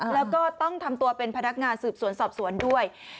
แล้วก็ต้องทำตัวเป็นพนักงานสืบสวนสอบสวนด้วย